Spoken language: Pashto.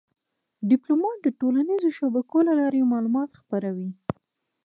ډيپلومات د ټولنیزو شبکو له لارې معلومات خپروي.